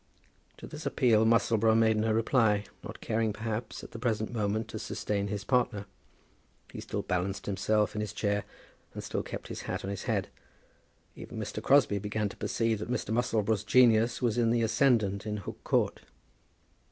To this appeal, Musselboro made no reply, not caring, perhaps, at the present moment to sustain his partner. He still balanced himself in his chair, and still kept his hat on his head. Even Mr. Crosbie began to perceive that Mr. Musselboro's genius was in the ascendant in Hook Court.